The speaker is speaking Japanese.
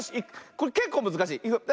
これけっこうむずかしい。